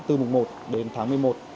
từ mùng một đến tháng một mươi một